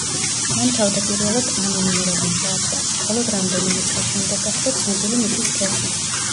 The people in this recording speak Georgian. მან თავდაპირველად ანონიმურად მუშაობდა, მხოლოდ რამდენიმე წლის შემდეგ გახდა ცნობილი მისი სქესი.